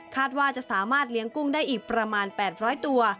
ว่าจะสามารถเลี้ยงกุ้งได้อีกประมาณ๘๐๐ตัว